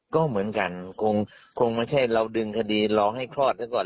ก็เหมือนกันคงไม่ใช่เราดึงคดีรอให้คลอดซะก่อน